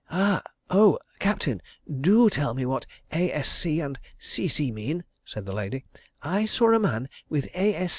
"And, oh, Captain, do tell me what 'A.S.C.' and 'C.C.' mean," said the lady. "I saw a man with 'A.